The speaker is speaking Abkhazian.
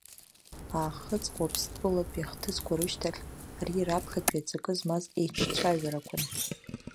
Аахыҵ Уаԥстәылатәи ахҭысқәа рышьҭахь, ари раԥхьатәи аҵакы змаз еиҿцәажәарақәан.